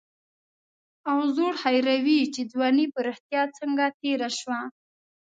او زوړ هېروي چې ځواني په رښتیا څنګه تېره شوه.